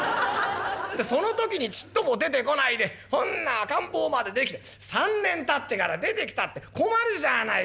その時にちっとも出てこないでほんな赤ん坊までできて３年たってから出てきたって困るじゃあないか。